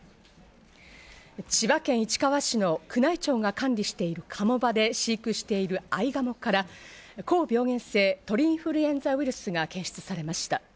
千葉県市川市の宮内庁が管理している鴨場で飼育しているアイガモから高病原性鳥インフルエンザウイルスが検出されました。